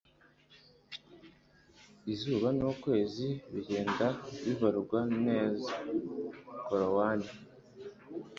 izuba n'ukwezi bigenda bibarwa neza - korowani